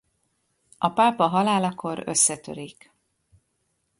A pápa halálakor összetörik.